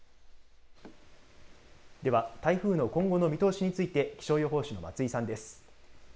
では、台風の今後の見通しについて気象予報士の松井さんです。